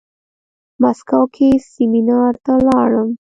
مسکو کې سيمينار ته لاړم.